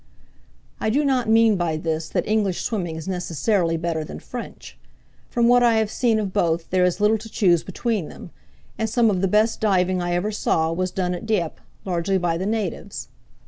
I do not mean by this that English swimming is necessarily better than French; from what I have seen of both there is little to choose between them, and some of the best diving I ever saw was done at Dieppe, largely by the natives.